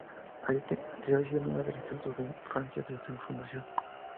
Había sido miembro del Instituto de Francia desde su fundación.